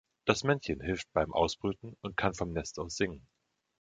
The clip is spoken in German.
Das Männchen hilft beim Ausbrüten und kann vom Nest aus singen.